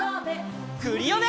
クリオネ！